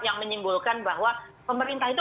yang menyimpulkan bahwa pemerintah itu